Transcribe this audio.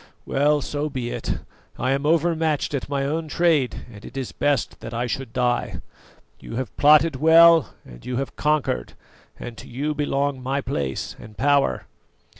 Well, so be it; I am overmatched at my own trade, and it is best that I should die. You have plotted well and you have conquered, and to you belong my place and power."